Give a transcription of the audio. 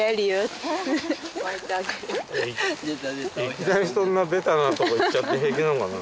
いきなりそんなベタなとこいっちゃって平気なのかな？